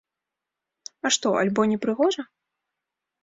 А што, альбо не прыгожа?